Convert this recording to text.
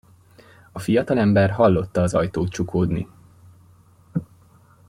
A fiatalember hallotta az ajtót csukódni.